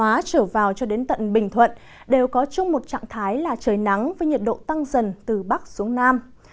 thanh hóa trở vào cho đến tận bình thuận đều có chung một trạng thái là trời nắng với nhiệt độ tăng dần từ bắc xuống nam